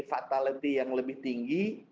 fatality yang lebih tinggi